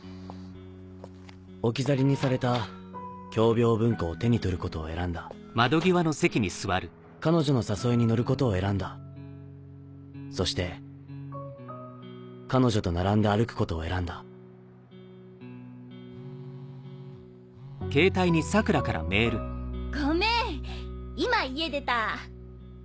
置き去りにされた共病文庫を手に取ることを選んだ彼女の誘いに乗ることを選んだそして彼女と並んで歩くことを選んだ「ごめーん今家出たー」。